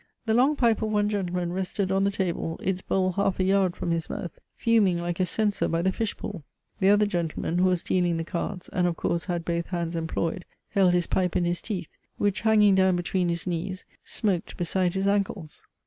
The long pipe of one gentleman rested on the table, its bole half a yard from his mouth, fuming like a censer by the fish pool the other gentleman, who was dealing the cards, and of course had both hands employed, held his pipe in his teeth, which hanging down between his knees, smoked beside his ancles.